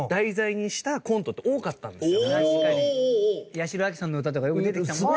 八代亜紀さんの歌とかよく出てきたもんね。